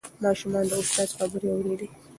ماشومان د استاد خبرې اورېدې.